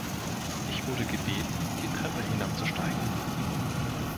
Ich wurde gebeten, die Treppe hinabzusteigen.